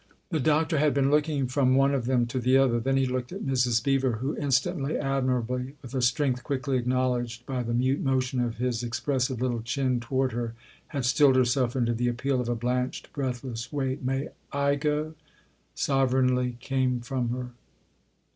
The Doctor had been looking from one of them to the other ; then he looked at Mrs. Beever, who, instantly, admirably, with a strength quickly acknow ledged by the mute motion of his expressive little chin toward her, had stilled herself into the appeal of a blanched, breathless wait. " May / go ?" sovereignly came from her.